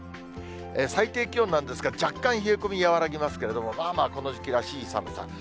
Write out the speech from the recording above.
最低気温なんですが、若干冷え込み和らぎますけれども、まあまあこの時期らしい寒さ。